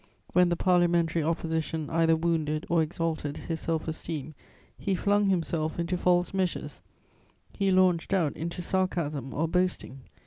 When the Parliamentary Opposition either wounded or exalted his self esteem, he flung himself into false measures, he launched out into sarcasm or boasting.